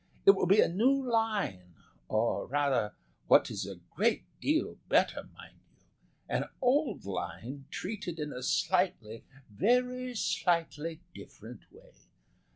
It will be a new line, or rather what is a great deal better, mind you an old line treated in a slightly, very slightly different way.